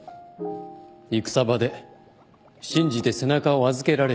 戦場で信じて背中を預けられる。